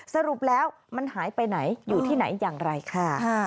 สรุปแล้วมันหายไปไหนอยู่ที่ไหนอย่างไรค่ะ